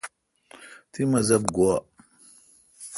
تی مذہب گوا؟